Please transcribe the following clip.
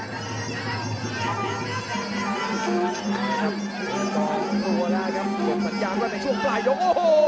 ตัวแล้วครับเก็บสัญญาณไว้ในช่วงปลายโยค